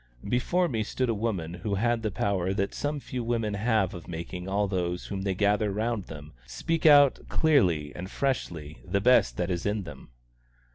Before me stood a woman who had the power that some few women have of making all those whom they gather round them speak out clearly and freshly the best that is in them.